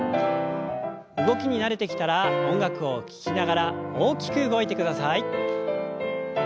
動きに慣れてきたら音楽を聞きながら大きく動いてください。